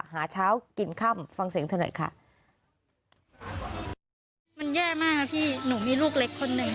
หาเช้ากินค่ำฟังเสียงเธอหน่อยค่ะมันแย่มากนะพี่หนูมีลูกเล็กคนหนึ่ง